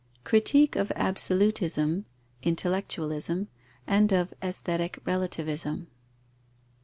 _Critique of absolutism (intellectualism) and of aesthetic relativism.